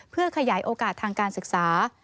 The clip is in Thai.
เพื่อขยายโอกาสทางการศึกษา